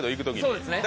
そうですね。